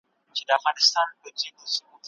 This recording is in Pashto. ګاڼې تل د زرو نه وي.